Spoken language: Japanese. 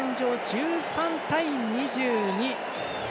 １３対２２。